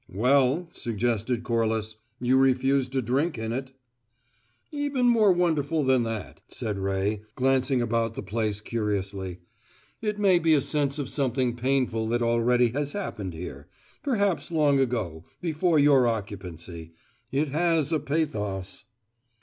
"Well," suggested Corliss, "you refused a drink in it." "Even more wonderful than that," said Ray, glancing about the place curiously. "It may be a sense of something painful that already has happened here perhaps long ago, before your occupancy. It has a pathos."